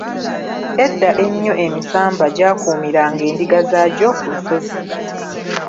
Edda ennyo emisambwa gyakuumiranga endiga zaagyo ku lusozi.